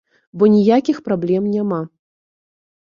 Бо ніякіх праблем няма.